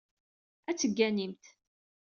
Ad tegganimt.